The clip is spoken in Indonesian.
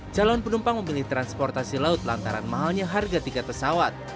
calon penumpang memilih transportasi laut lantaran mahalnya harga tiket pesawat